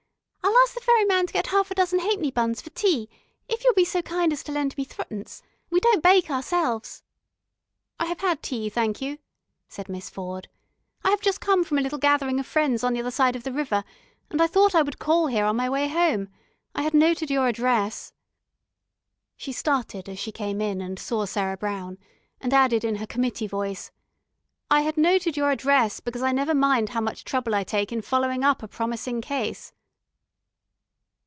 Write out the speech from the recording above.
I'll ask the ferryman to get half a dozen halfpenny buns for tea, if you will be so kind as to lend me threepence. We don't bake ourselves." "I have had tea, thank you," said Miss Ford. "I have just come from a little gathering of friends on the other side of the river, and I thought I would call here on my way home. I had noted your address " She started as she came in and saw Sarah Brown, and added in her committee voice: "I had noted your address, because I never mind how much trouble I take in following up a promising case."